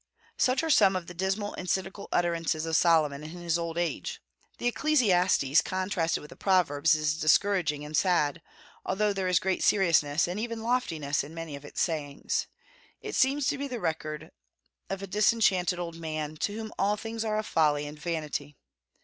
Such are some of the dismal and cynical utterances of Solomon in his old age. The Ecclesiastes contrasted with the Proverbs is discouraging and sad, although there is great seriousness and even loftiness in many of its sayings. It seems to be the record of a disenchanted old man, to whom all things are a folly and vanity.